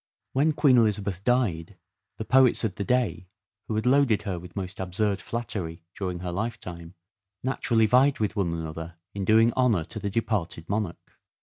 " shake When Queen Elizabeth died, the poets of the day, spff™ " J and Queen who had loaded her with most absurd flattery during Elizabeth's her lifetime, naturally vied with one another in doing honour to the departed monarch.